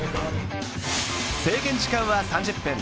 制限時間は３０分。